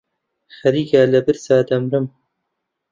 خەریکە لە برسا دەمرم.